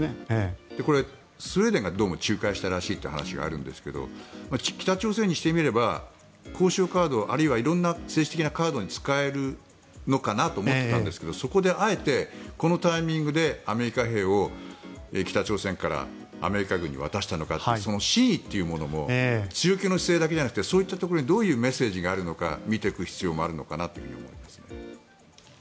これ、スウェーデンがどうも仲介したらしいという話があるんですが北朝鮮にしてみれば交渉カードあるいは色んな政治的なカードに使えるのかなと思ってたんですけどそこであえてこのタイミングでアメリカ兵を北朝鮮からアメリカ軍に渡したのかってその真意というものも強気の姿勢じゃなくてそこにどういうメッセージがあるのか見ていく必要もあるのかなと思います。